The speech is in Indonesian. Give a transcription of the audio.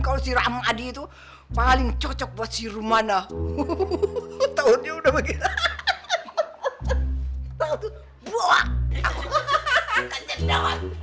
itu sih ramadi itu paling cocok buat si rumana hahaha